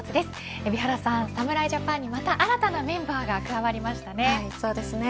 海老原さん、侍ジャパンにまた新たなメンバーがそうですね。